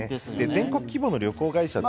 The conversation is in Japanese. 全国規模の旅行会社。